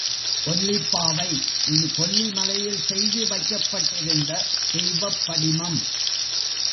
கொல்லிப் பாவை இது கொல்லி மலையில் செய்து வைக்கப்பட்டிருந்த தெய்வப் படிமம்.